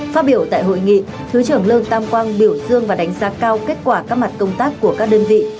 phát biểu tại hội nghị thứ trưởng lương tam quang biểu dương và đánh giá cao kết quả các mặt công tác của các đơn vị